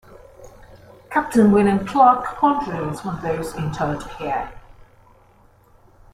Captain William Clarke Quantrill is one of those interred here.